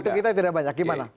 itu kita tidak banyak gimana